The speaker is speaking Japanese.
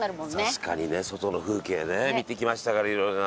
確かにね。外の風景ね見てきましたから色々な。